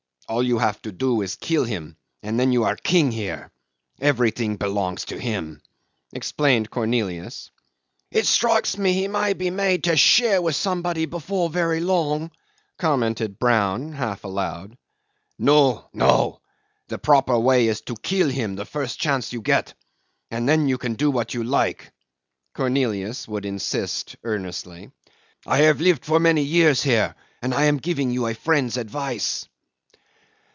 All you have to do is to kill him and then you are king here. Everything belongs to him," explained Cornelius. "It strikes me he may be made to share with somebody before very long," commented Brown half aloud. "No, no. The proper way is to kill him the first chance you get, and then you can do what you like," Cornelius would insist earnestly. "I have lived for many years here, and I am giving you a friend's advice."